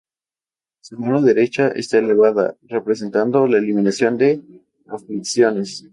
Su mano derecha está elevada, representando la eliminación de aflicciones.